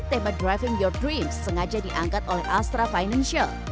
tema driving your dreams sengaja diangkat oleh astra financial